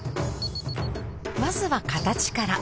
まずは形から。